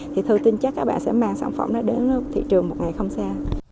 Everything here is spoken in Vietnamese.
thì tôi tin chắc các bạn sẽ mang sản phẩm đó đến thị trường một ngày không xa